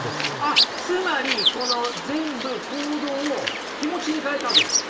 あっつまりこの全部行動を気持ちに変えたわけですか。